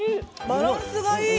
バランスがいい！